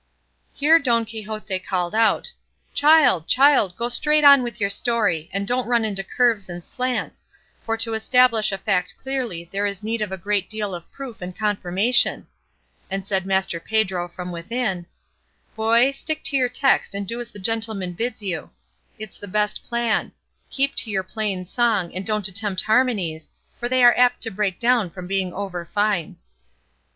Here Don Quixote called out, "Child, child, go straight on with your story, and don't run into curves and slants, for to establish a fact clearly there is need of a great deal of proof and confirmation;" and said Master Pedro from within, "Boy, stick to your text and do as the gentleman bids you; it's the best plan; keep to your plain song, and don't attempt harmonies, for they are apt to break down from being over fine."